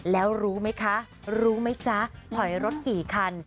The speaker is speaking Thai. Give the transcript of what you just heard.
แล้วรู้ไหมคะรู้ไหมจ๊ะถอยรถกี่คัน